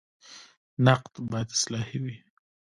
نقد باید اصلاحي وي